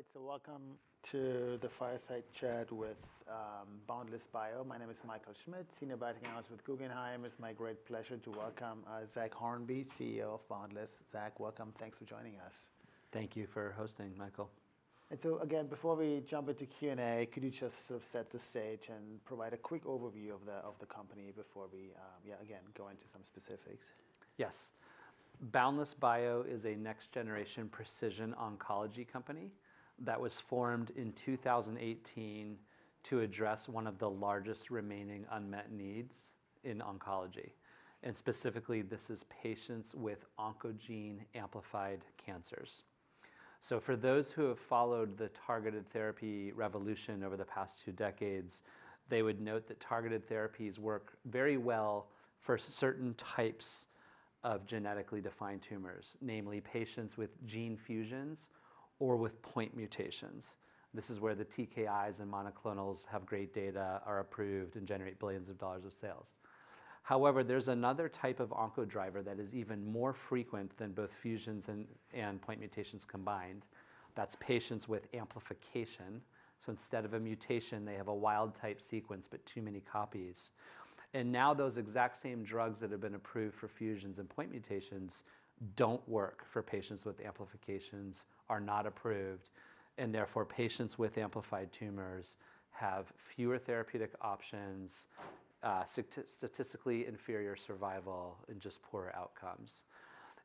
All right, so welcome to the Fireside Chat with Boundless Bio. My name is Michael Schmidt, Senior Biotechnology Analyst with Guggenheim. It's my great pleasure to welcome Zach Hornby, CEO of Boundless. Zach, welcome. Thanks for joining us. Thank you for hosting, Michael. And so again, before we jump into Q&A, could you just sort of set the stage and provide a quick overview of the company before we again go into some specifics? Yes. Boundless Bio is a next-generation precision oncology company that was formed in 2018 to address one of the largest remaining unmet needs in oncology, and specifically, this is patients with oncogene-amplified cancers, so for those who have followed the targeted therapy revolution over the past two decades, they would note that targeted therapies work very well for certain types of genetically defined tumors, namely patients with gene fusions or with point mutations. This is where the TKIs and monoclonals have great data, are approved, and generate billions of dollars of sales. However, there's another type of onco-driver that is even more frequent than both fusions and point mutations combined. That's patients with amplification, so instead of a mutation, they have a wild-type sequence, but too many copies. Now those exact same drugs that have been approved for fusions and point mutations don't work for patients with amplifications, are not approved, and therefore, patients with amplified tumors have fewer therapeutic options, statistically inferior survival, and just poorer outcomes.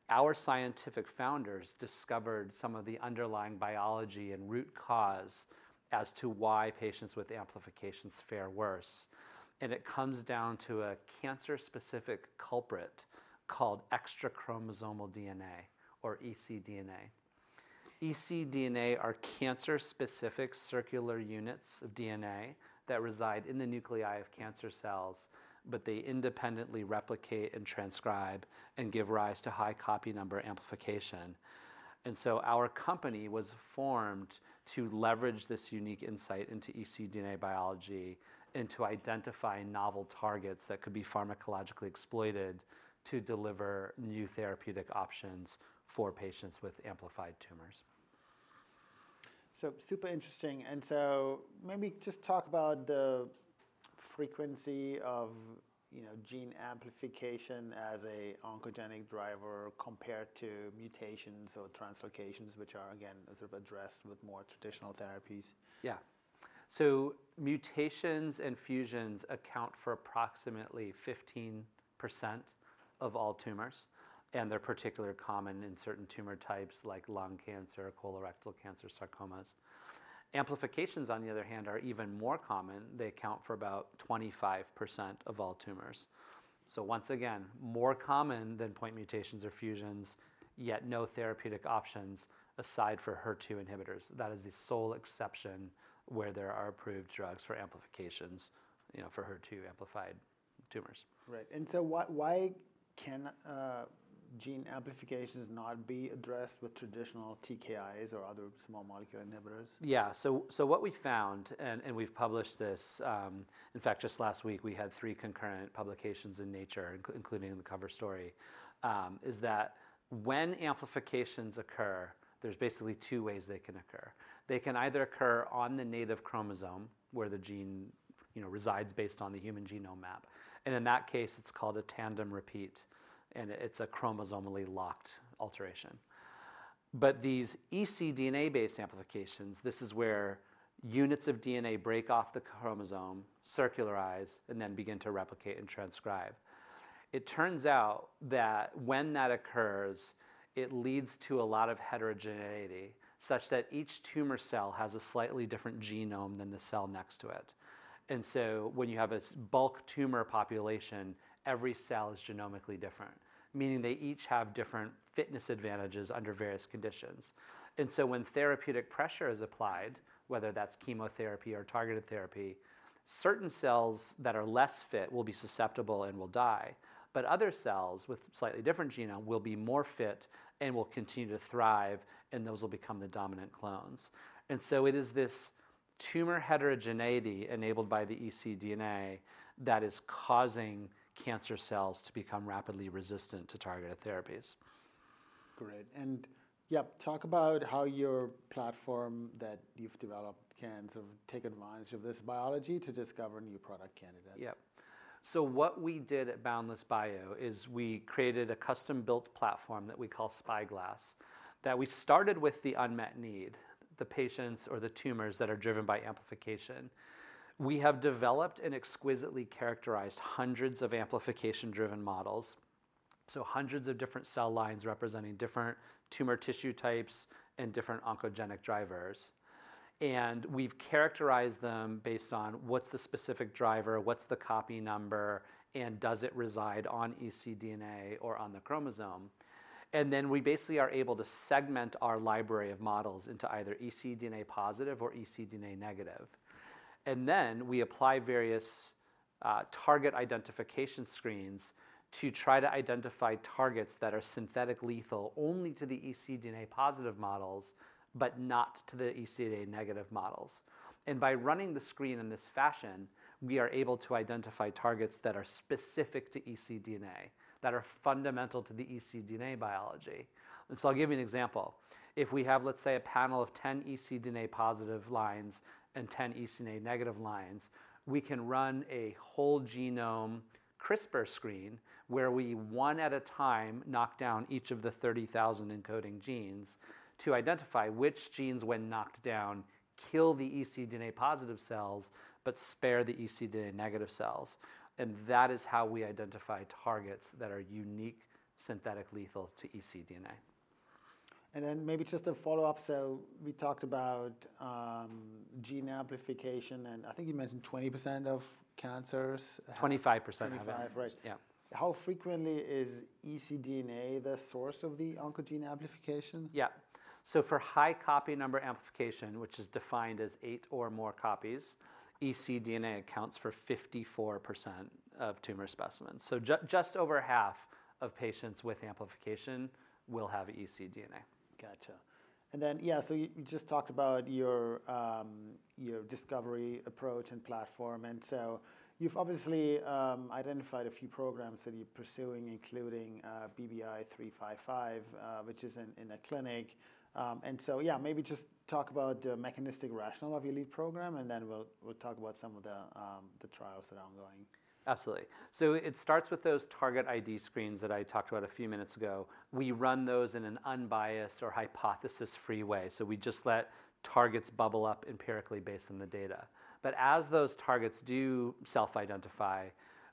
Our scientific founders discovered some of the underlying biology and root cause as to why patients with amplifications fare worse, and it comes down to a cancer-specific culprit called extrachromosomal DNA, or ecDNA. ecDNA are cancer-specific circular units of DNA that reside in the nuclei of cancer cells, but they independently replicate and transcribe and give rise to high copy number amplification, and so our company was formed to leverage this unique insight into ecDNA biology and to identify novel targets that could be pharmacologically exploited to deliver new therapeutic options for patients with amplified tumors. So super interesting. And so maybe just talk about the frequency of gene amplification as an oncogenic driver compared to mutations or translocations, which are, again, sort of addressed with more traditional therapies? Yeah. So mutations and fusions account for approximately 15% of all tumors. And they're particularly common in certain tumor types like lung cancer, colorectal cancer, sarcomas. Amplifications, on the other hand, are even more common. They account for about 25% of all tumors. So once again, more common than point mutations or fusions, yet no therapeutic options aside for HER2 inhibitors. That is the sole exception where there are approved drugs for amplifications for HER2-amplified tumors. Right. And so why can gene amplifications not be addressed with traditional TKIs or other small molecule inhibitors? Yeah. So what we found, and we've published this, in fact, just last week, we had three concurrent publications in Nature, including the cover story, is that when amplifications occur, there's basically two ways they can occur. They can either occur on the native chromosome, where the gene resides based on the human genome map. And in that case, it's called a tandem repeat. And it's a chromosomally locked alteration. But these ecDNA-based amplifications, this is where units of DNA break off the chromosome, circularize, and then begin to replicate and transcribe. It turns out that when that occurs, it leads to a lot of heterogeneity, such that each tumor cell has a slightly different genome than the cell next to it. And so when you have this bulk tumor population, every cell is genomically different, meaning they each have different fitness advantages under various conditions. And so when therapeutic pressure is applied, whether that's chemotherapy or targeted therapy, certain cells that are less fit will be susceptible and will die. But other cells with slightly different genome will be more fit and will continue to thrive, and those will become the dominant clones. And so it is this tumor heterogeneity enabled by the ecDNA that is causing cancer cells to become rapidly resistant to targeted therapies. Great, and yep, talk about how your platform that you've developed can sort of take advantage of this biology to discover new product candidates. Yep, so what we did at Boundless Bio is we created a custom-built platform that we call Spyglass that we started with the unmet need, the patients or the tumors that are driven by amplification. We have developed and exquisitely characterized hundreds of amplification-driven models, so hundreds of different cell lines representing different tumor tissue types and different oncogenic drivers. We've characterized them based on what's the specific driver, what's the copy number, and does it reside on ecDNA or on the chromosome. Then we basically are able to segment our library of models into either ecDNA positive or ecDNA negative. Then we apply various target identification screens to try to identify targets that are synthetically lethal only to the ecDNA positive models, but not to the ecDNA negative models. By running the screen in this fashion, we are able to identify targets that are specific to ecDNA, that are fundamental to the ecDNA biology. So I'll give you an example. If we have, let's say, a panel of 10 ecDNA positive lines and 10 ecDNA negative lines, we can run a whole genome CRISPR screen where we, one at a time, knock down each of the 30,000 encoding genes to identify which genes, when knocked down, kill the ecDNA positive cells but spare the ecDNA negative cells. That is how we identify targets that are unique, synthetically lethal to ecDNA. And then maybe just a follow-up. So we talked about gene amplification, and I think you mentioned 20% of cancers. 25% of it. 25, right. Yeah. How frequently is ecDNA the source of the oncogene amplification? Yeah. So for high copy number amplification, which is defined as eight or more copies, ecDNA accounts for 54% of tumor specimens. So just over half of patients with amplification will have ecDNA. Gotcha. And then, yeah, so you just talked about your discovery approach and platform. And so you've obviously identified a few programs that you're pursuing, including BBI-355, which is in clinic. And so, yeah, maybe just talk about the mechanistic rationale of your lead program, and then we'll talk about some of the trials that are ongoing. Absolutely. So it starts with those target ID screens that I talked about a few minutes ago. We run those in an unbiased or hypothesis-free way. So we just let targets bubble up empirically based on the data. But as those targets do self-identify,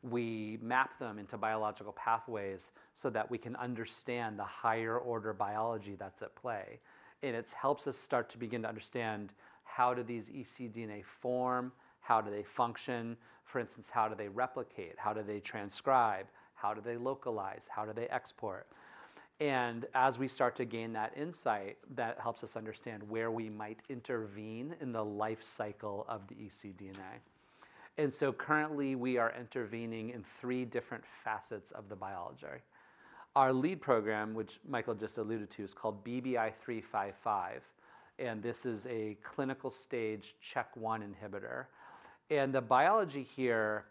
we map them into biological pathways so that we can understand the higher-order biology that's at play. And it helps us start to begin to understand how do these ecDNA form, how do they function. For instance, how do they replicate, how do they transcribe, how do they localize, how do they export. And as we start to gain that insight, that helps us understand where we might intervene in the life cycle of the ecDNA. And so currently, we are intervening in three different facets of the biology. Our lead program, which Michael just alluded to, is called BBI-355. This is a clinical stage CHK1 inhibitor. The biology here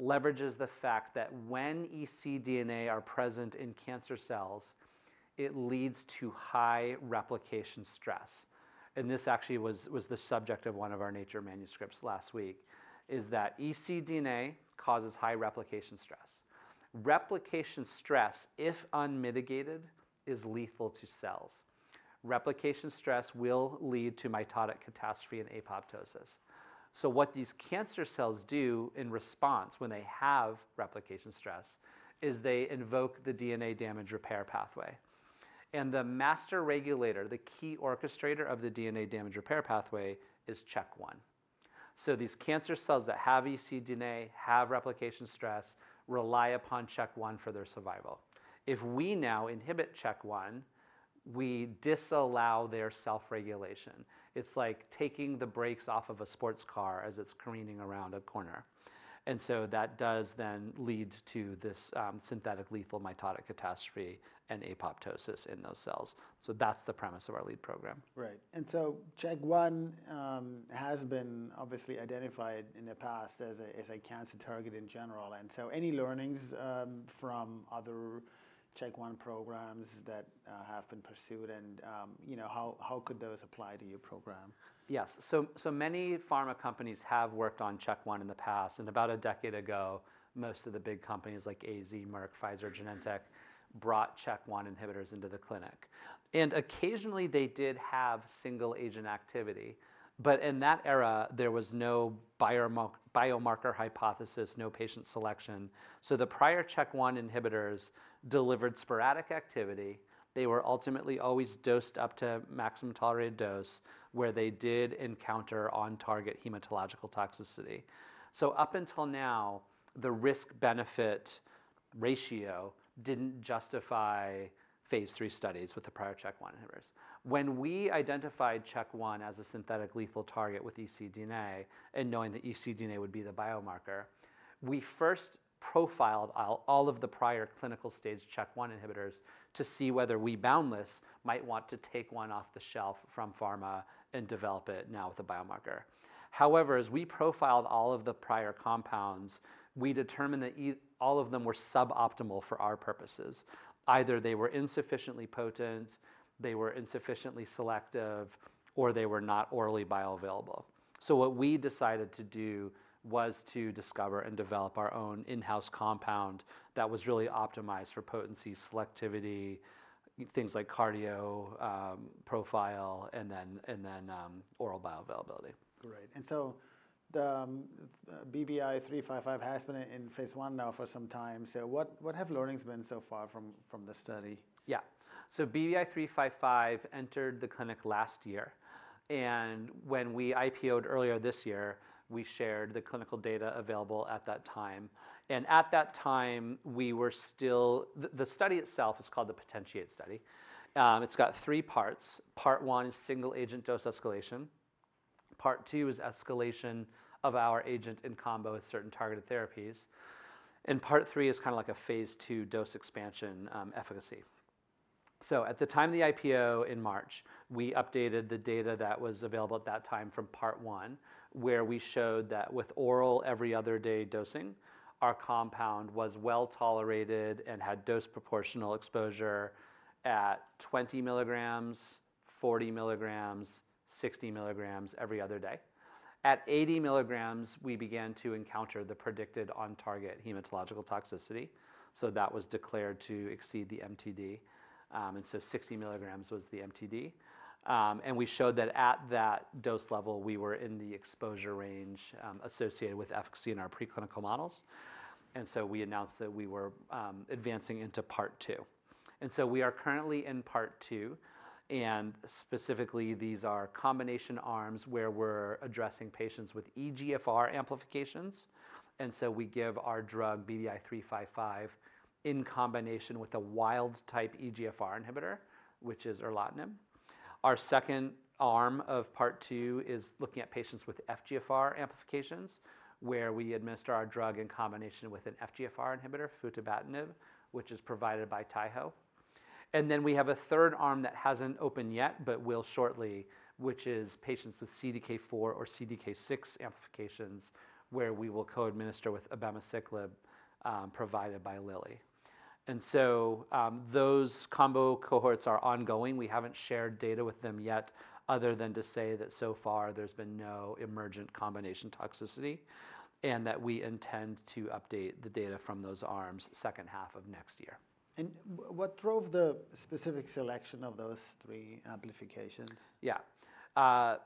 leverages the fact that when ecDNA are present in cancer cells, it leads to high replication stress. This actually was the subject of one of our Nature manuscripts last week, is that ecDNA causes high replication stress. Replication stress, if unmitigated, is lethal to cells. Replication stress will lead to mitotic catastrophe and apoptosis. What these cancer cells do in response when they have replication stress is they invoke the DNA damage repair pathway. The master regulator, the key orchestrator of the DNA damage repair pathway, is CHK1. These cancer cells that have ecDNA have replication stress, rely upon CHK1 for their survival. If we now inhibit CHK1, we disallow their self-regulation. It's like taking the brakes off of a sports car as it's careening around a corner. And so that does then lead to this synthetic lethal mitotic catastrophe and apoptosis in those cells. So that's the premise of our lead program. Right. And so CHK1 has been obviously identified in the past as a cancer target in general. And so any learnings from other CHK1 programs that have been pursued, and how could those apply to your program? Yes. So many pharma companies have worked on CHK1 in the past. And about a decade ago, most of the big companies like AZ, Merck, Pfizer, Genentech brought CHK1 inhibitors into the clinic. And occasionally, they did have single-agent activity. But in that era, there was no biomarker hypothesis, no patient selection. So the prior CHK1 inhibitors delivered sporadic activity. They were ultimately always dosed up to maximum tolerated dose, where they did encounter on-target hematological toxicity. So up until now, the risk-benefit ratio didn't justify phase III studies with the prior CHK1 inhibitors. When we identified CHK1 as a synthetic lethal target with ecDNA, and knowing that ecDNA would be the biomarker, we first profiled all of the prior clinical stage CHK1 inhibitors to see whether we Boundless might want to take one off the shelf from pharma and develop it now with a biomarker. However, as we profiled all of the prior compounds, we determined that all of them were suboptimal for our purposes. Either they were insufficiently potent, they were insufficiently selective, or they were not orally bioavailable. So what we decided to do was to discover and develop our own in-house compound that was really optimized for potency, selectivity, things like cardio profile, and then oral bioavailability. Great, and so BBI-355 has been in phase one now for some time, so what have learnings been so far from the study? Yeah. So BBI-355 entered the clinic last year. And when we IPO'd earlier this year, we shared the clinical data available at that time. And at that time, we were still the study itself is called the POTENTIATE study. It's got three parts. Part one is single-agent dose escalation. Part two is escalation of our agent in combo with certain targeted therapies. And part three is kind of like a phase II dose expansion efficacy. So at the time of the IPO in March, we updated the data that was available at that time from part one, where we showed that with oral every other day dosing, our compound was well tolerated and had dose-proportional exposure at 20 mg, 40 mg, 60 mg every other day. At 80 mg, we began to encounter the predicted on-target hematological toxicity. So that was declared to exceed the MTD. 60 mg was the MTD. We showed that at that dose level, we were in the exposure range associated with efficacy in our preclinical models. We announced that we were advancing into part two. We are currently in part two. Specifically, these are combination arms where we're addressing patients with EGFR amplifications. We give our drug BBI-355 in combination with a wild-type EGFR inhibitor, which is erlotinib. Our second arm of part two is looking at patients with FGFR amplifications, where we administer our drug in combination with an FGFR inhibitor, futibatinib, which is provided by Taiho. We have a third arm that hasn't opened yet, but will shortly, which is patients with CDK4 or CDK6 amplifications, where we will co-administer with abemaciclib provided by Lilly. Those combo cohorts are ongoing. We haven't shared data with them yet, other than to say that so far, there's been no emergent combination toxicity, and that we intend to update the data from those arms second half of next year. What drove the specific selection of those three amplifications? Yeah. A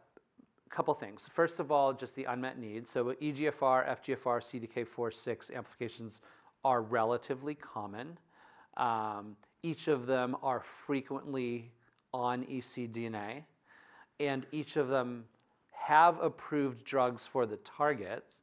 couple of things. First of all, just the unmet need. So EGFR, FGFR, CDK4/6 amplifications are relatively common. Each of them are frequently on ecDNA. And each of them have approved drugs for the target,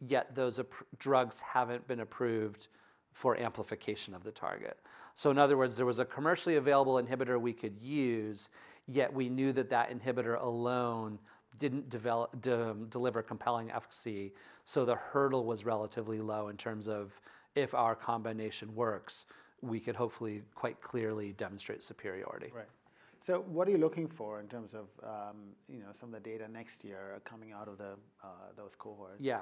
yet those drugs haven't been approved for amplification of the target. So in other words, there was a commercially available inhibitor we could use, yet we knew that that inhibitor alone didn't deliver compelling efficacy. So the hurdle was relatively low in terms of if our combination works, we could hopefully quite clearly demonstrate superiority. Right. So what are you looking for in terms of some of the data next year coming out of those cohorts? Yeah.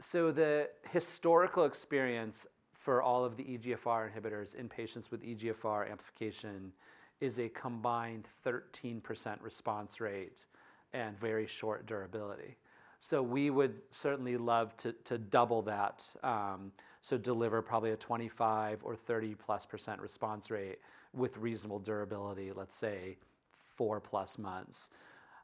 So the historical experience for all of the EGFR inhibitors in patients with EGFR amplification is a combined 13% response rate and very short durability. So we would certainly love to double that, so deliver probably a 25 or 30%+ response rate with reasonable durability, let's say four-plus months.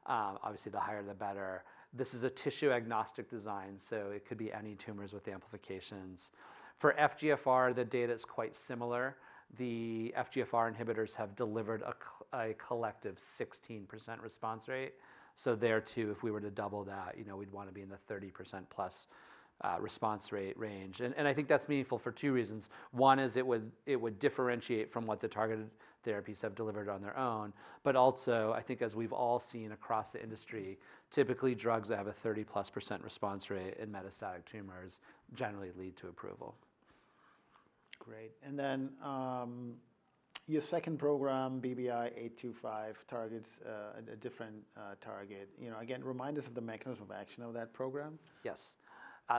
Obviously, the higher, the better. This is a tissue-agnostic design, so it could be any tumors with amplifications. For FGFR, the data is quite similar. The FGFR inhibitors have delivered a collective 16% response rate. So there too, if we were to double that, we'd want to be in the 30%+ response rate range. And I think that's meaningful for two reasons. One is it would differentiate from what the targeted therapies have delivered on their own. But also, I think as we've all seen across the industry, typically drugs that have a 30%+ response rate in metastatic tumors generally lead to approval. Great. And then your second program, BBI-825, targets a different target. Again, remind us of the mechanism of action of that program. Yes.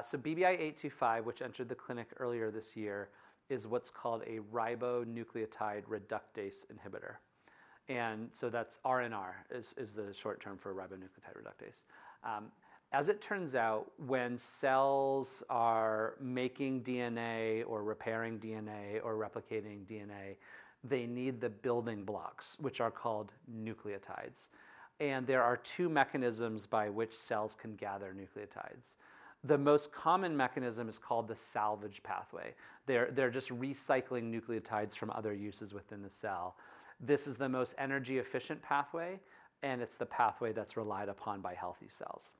So BBI-825, which entered the clinic earlier this year, is what's called a ribonucleotide reductase inhibitor. And so that's RNR is the short term for ribonucleotide reductase. As it turns out, when cells are making DNA or repairing DNA or replicating DNA, they need the building blocks, which are called nucleotides. And there are two mechanisms by which cells can gather nucleotides. The most common mechanism is called the salvage pathway. They're just recycling nucleotides from other uses within the cell. This is the most energy-efficient pathway, and it's the pathway that's relied upon by healthy cells.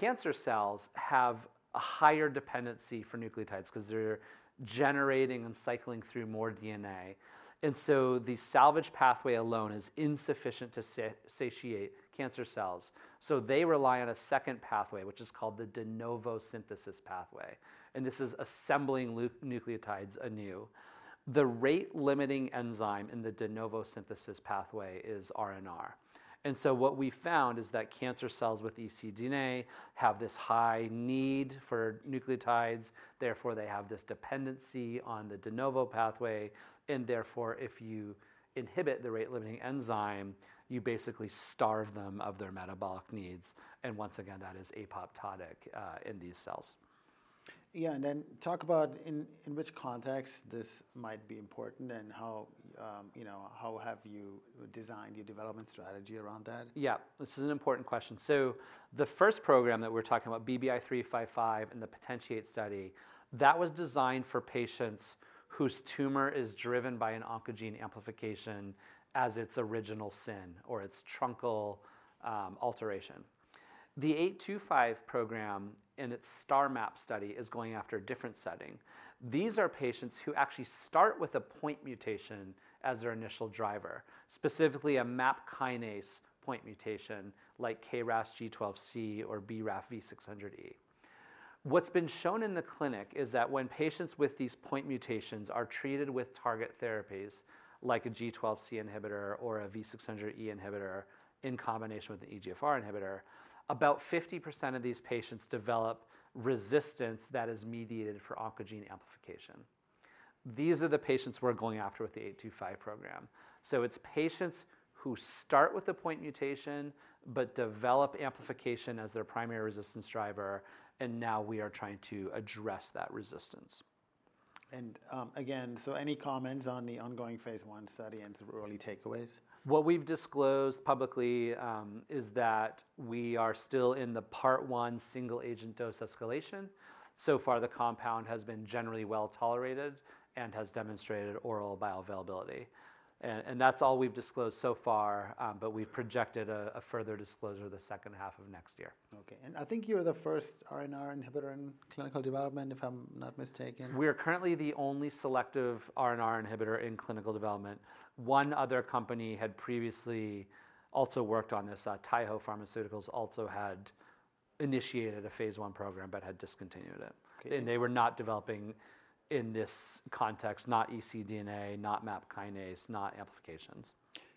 Cancer cells have a higher dependency for nucleotides because they're generating and cycling through more DNA. And so the salvage pathway alone is insufficient to satiate cancer cells. So they rely on a second pathway, which is called the de novo synthesis pathway. And this is assembling nucleotides anew. The rate-limiting enzyme in the de novo synthesis pathway is RNR. And so what we found is that cancer cells with ecDNA have this high need for nucleotides. Therefore, they have this dependency on the de novo pathway. And therefore, if you inhibit the rate-limiting enzyme, you basically starve them of their metabolic needs. And once again, that is apoptotic in these cells. Yeah. And then talk about in which context this might be important and how have you designed your development strategy around that? Yeah. This is an important question. So the first program that we're talking about, BBI-355 and the POTENTIATE study, that was designed for patients whose tumor is driven by an oncogene amplification as its original sin or its truncal alteration. The 825 program in its STARmap study is going after a different setting. These are patients who actually start with a point mutation as their initial driver, specifically a MAP kinase point mutation like KRAS G12C or BRAF V600E. What's been shown in the clinic is that when patients with these point mutations are treated with target therapies like a G12C inhibitor or a V600E inhibitor in combination with an EGFR inhibitor, about 50% of these patients develop resistance that is mediated by oncogene amplification. These are the patients we're going after with the 825 program. It's patients who start with a point mutation but develop amplification as their primary resistance driver. Now we are trying to address that resistance. Any comments on the ongoing phase I study and the early takeaways? What we've disclosed publicly is that we are still in the part one single-agent dose escalation. So far, the compound has been generally well tolerated and has demonstrated oral bioavailability. And that's all we've disclosed so far, but we've projected a further disclosure the second half of next year. Okay. And I think you're the first RNR inhibitor in clinical development, if I'm not mistaken. We are currently the only selective RNR inhibitor in clinical development. One other company had previously also worked on this. Taiho Pharmaceutical also had initiated a phase I program but had discontinued it, and they were not developing in this context, not ecDNA, not MAP kinase, not amplifications.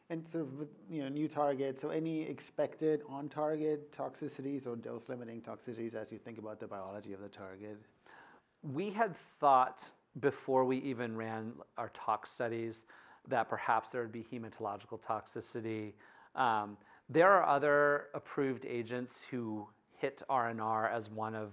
And so, new target. So, any expected on-target toxicities or dose-limiting toxicities as you think about the biology of the target? We had thought before we even ran our tox studies that perhaps there would be hematological toxicity. There are other approved agents who hit RNR as one of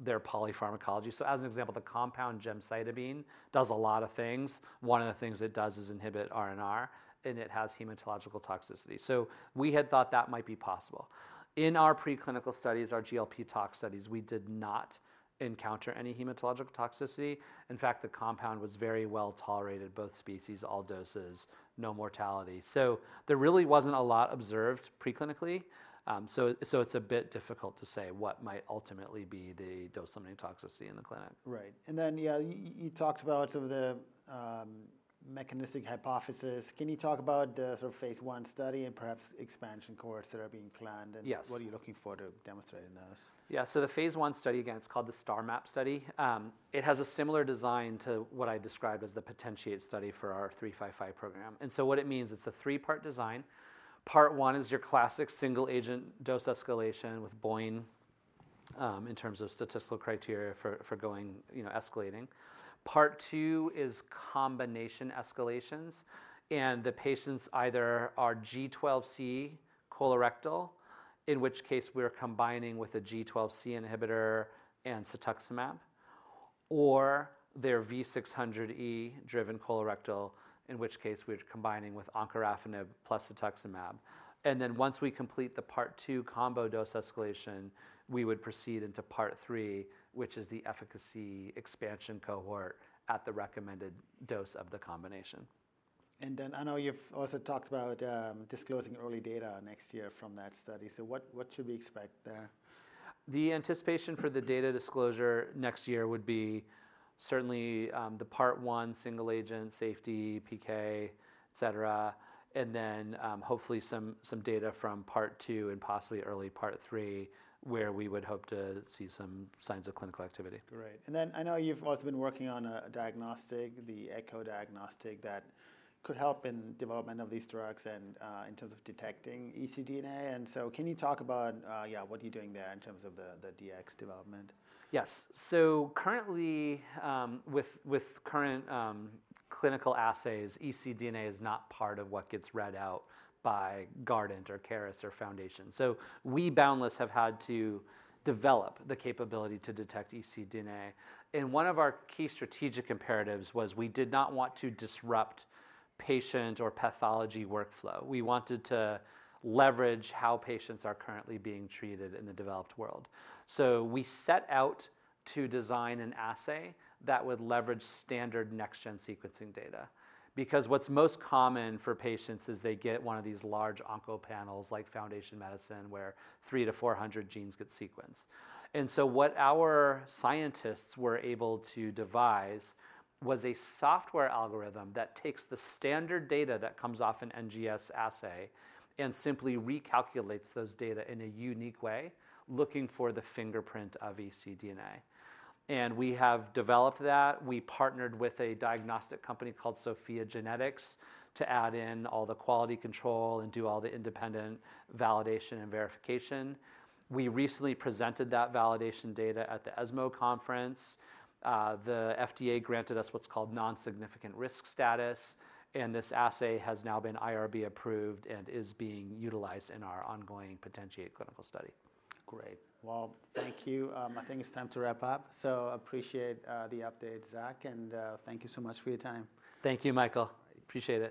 their polypharmacology. So as an example, the compound gemcitabine does a lot of things. One of the things it does is inhibit RNR, and it has hematological toxicity. So we had thought that might be possible. In our preclinical studies, our GLP tox studies, we did not encounter any hematological toxicity. In fact, the compound was very well tolerated, both species, all doses, no mortality. So there really wasn't a lot observed preclinically. So it's a bit difficult to say what might ultimately be the dose-limiting toxicity in the clinic. Right. And then, yeah, you talked about some of the mechanistic hypotheses. Can you talk about the sort of phase I study and perhaps expansion cohorts that are being planned? Yes. And what are you looking for to demonstrate in those? Yeah. So the phase one study, again, it's called the STARmap study. It has a similar design to what I described as the POTENTIATE study for our 355 program. And so what it means is it's a three-part design. Part one is your classic single-agent dose escalation with BOIN in terms of statistical criteria for escalating. Part two is combination escalations. And the patients either are G12C colorectal, in which case we're combining with a G12C inhibitor and cetuximab, or they're V600E-driven colorectal, in which case we're combining with encorafenib plus cetuximab. And then once we complete the part two combo dose escalation, we would proceed into part three, which is the efficacy expansion cohort at the recommended dose of the combination. And then I know you've also talked about disclosing early data next year from that study. So what should we expect there? The anticipation for the data disclosure next year would be certainly the part one single-agent safety, PK, et cetera, and then hopefully some data from part two and possibly early part three, where we would hope to see some signs of clinical activity. Great. And then I know you've also been working on a diagnostic, the ECHO diagnostic that could help in development of these drugs and in terms of detecting ecDNA. And so can you talk about, yeah, what you're doing there in terms of the DX development? Yes. So currently, with current clinical assays, ecDNA is not part of what gets read out by Guardant or Caris or Foundation. So we, Boundless, have had to develop the capability to detect ecDNA. And one of our key strategic imperatives was we did not want to disrupt patient or pathology workflow. We wanted to leverage how patients are currently being treated in the developed world. So we set out to design an assay that would leverage standard next-gen sequencing data. Because what's most common for patients is they get one of these large onco panels like Foundation Medicine, where 300-400 genes get sequenced. And so what our scientists were able to devise was a software algorithm that takes the standard data that comes off an NGS assay and simply recalculates those data in a unique way, looking for the fingerprint of ecDNA. We have developed that. We partnered with a diagnostic company called SOPHiA GENETICS to add in all the quality control and do all the independent validation and verification. We recently presented that validation data at the ESMO conference. The FDA granted us what's called non-significant risk status. This assay has now been IRB approved and is being utilized in our ongoing POTENTIATE clinical study. Great. Well, thank you. I think it's time to wrap up. So appreciate the update, Zach. And thank you so much for your time. Thank you, Michael. Appreciate it.